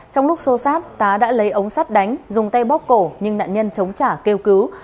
trong lúc xô xát tá đã lấy ống sắt đánh dùng tay bóc cổ nhưng nạn nhân chống trả kêu cứu